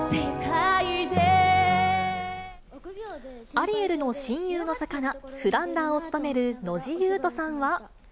アリエルの親友の魚、フランダーを務める野地祐翔さんは。